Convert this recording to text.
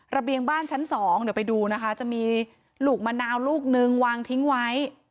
เบียงบ้านชั้นสองเดี๋ยวไปดูนะคะจะมีลูกมะนาวลูกนึงวางทิ้งไว้